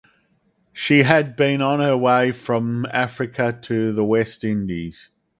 She had been on her way from Africa to the West Indies.